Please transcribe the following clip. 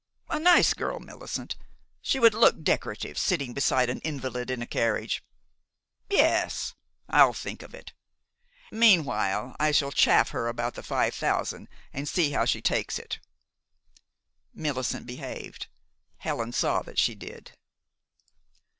A nice girl, Millicent. She would look decorative, sitting beside an invalid in a carriage. Yes, I'll think of it. Meanwhile, I shall chaff her about the five thousand and see how she takes it." Millicent behaved. Helen saw that she did.